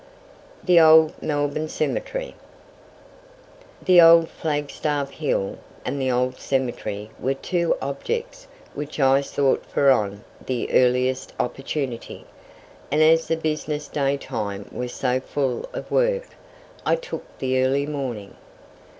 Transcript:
THE OLD MELBOURNE CEMETERY. The old Flagstaff Hill and the old cemetery were two objects which I sought for on the earliest opportunity, and as the business day time was so full of work, I took the early morning.